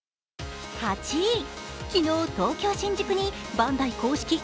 ８位、昨日、東京・新宿にバンダイ公式